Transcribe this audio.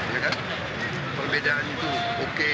ya kan perbedaan itu oke